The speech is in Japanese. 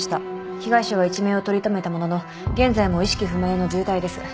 被害者は一命を取り留めたものの現在も意識不明の重体です。